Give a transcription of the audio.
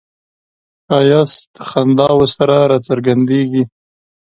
ښایست د خنداوو سره راڅرګندیږي